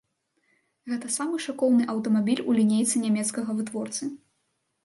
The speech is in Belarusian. Гэта самы шыкоўны аўтамабіль у лінейцы нямецкага вытворцы.